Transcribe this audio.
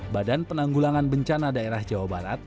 badan penanggulangan bencana daerah jawa barat